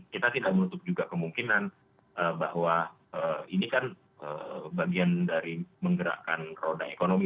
kita tidak menutup juga kemungkinan bahwa ini kan bagian dari menggerakkan roda ekonomi